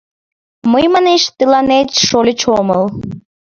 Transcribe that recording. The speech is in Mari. Мый, манеш, тыланет шольыч омыл.